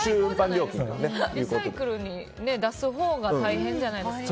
リサイクルに出すほうが大変じゃないですか。